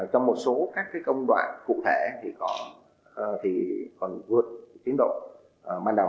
trong một số các cái công đoạn cụ thể thì còn vượt tín độ ban đầu